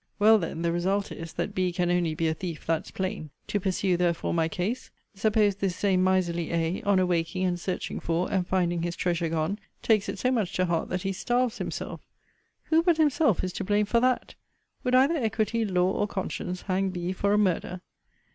Well then, the result is, that B can only be a thief; that's plain. To pursue, therefore, my case Suppose this same miserly A, on awaking and searching for, and finding his treasure gone, takes it so much to heart that he starves himself; Who but himself is to blame for that? Would either equity, law, or conscience, hang B for a murder?